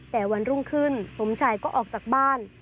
แต่วันรุ่งขึ้นสมชัยก็ออกจากบ้าน